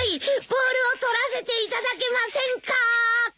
ボールを取らせていただけませんか。